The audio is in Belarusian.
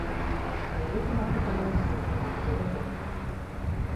Каларыту нашай камандзе, вядома, дадае домра.